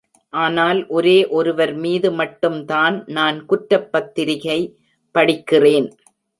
ஆனால் ஒரே ஒருவர் மீது மட்டும்தான் நான் குற்றப்பத்திரிகை படிக்கிறேன்.